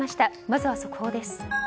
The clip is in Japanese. まずは速報です。